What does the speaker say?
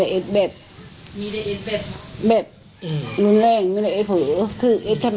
แดดรุนแรงมีแดดเบ่บดูสบายสบาย